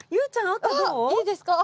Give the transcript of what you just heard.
あっいいですか？